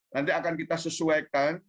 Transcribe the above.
nanti akan kita sesuaikan